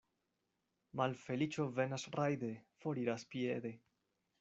Malfeliĉo venas rajde, foriras piede.